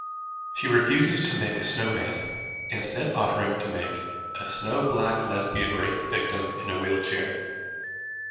She refuses to make a snowman, instead offering to make a snow-black-lesbian-rape-victim-in-a-wheelchair.